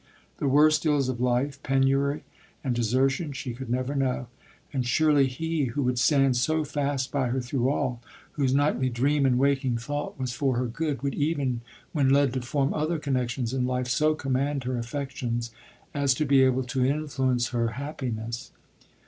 The worst ills of life, penury and desertion, she could never know ; and surely he, who would stand so fast by her through all — whose nightly dream and waking thought was LODORE. for her good, would even, when led to form other connexions in life, so command her affections as to be able to influence her hap piness.